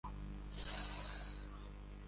Baba yake pia ni mvuvi